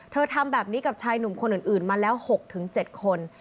ทำแบบนี้กับชายหนุ่มคนอื่นมาแล้ว๖๗คน